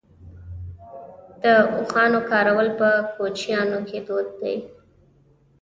د اوښانو کارول په کوچیانو کې دود دی.